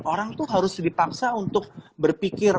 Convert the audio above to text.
orang tuh harus dipaksa untuk berpikir